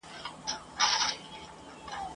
دوه او درې ځله یې دا خبره کړله ..